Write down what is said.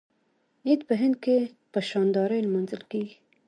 عید په هند کې په شاندارۍ لمانځل کیږي.